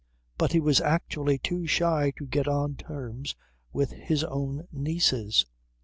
But he was actually too shy to get on terms with his own nieces.